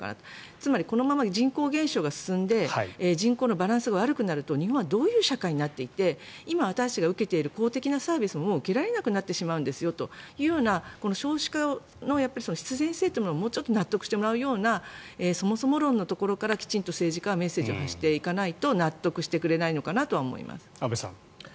つまり、このまま人口減少が進んで人口のバランスが悪くなると日本はどういう社会になっていって今、私たちが受けている公的なサービスも受けられなくなってしまうんですというような少子化対策の必然性というものをもうちょっと納得してもらうようなそもそも論のところからきちんと政治家はメッセージを発していかないと納得してくれないのかなと思います。